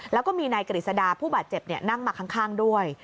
แล้วก็มีนายกฤษดาผู้บาดเจ็บนั่งมาข้างด้วย